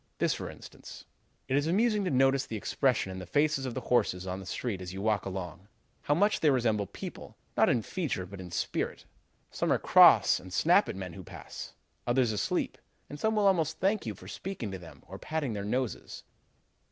This, for instance: "'It is amusing to notice the expression in the faces of the horses on the street as you walk along; how much they resemble people, not in feature, but in spirit. Some are cross and snap at the men who pass; others asleep; and some will almost thank you for speaking to them or patting their noses.'